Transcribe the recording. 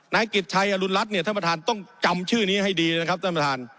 นายกิจชัยอรุณรัฐเนี่ยท่านประธานต้องจำชื่อนี้ให้ดีนะครับท่านประธาน